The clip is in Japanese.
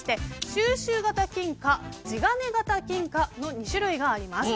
収集型金貨、地金型金貨の２種類があります。